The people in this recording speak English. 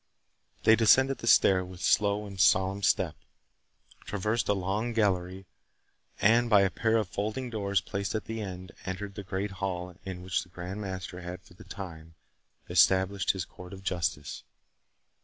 They descended the stair with slow and solemn step, traversed a long gallery, and, by a pair of folding doors placed at the end, entered the great hall in which the Grand Master had for the time established his court of justice.